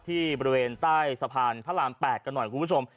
ที่บริเวณใต้สะพานพระราม๘กันหน่อยคุณผู้ชม